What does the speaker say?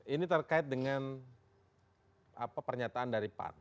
ini terkait dengan pernyataan dari pan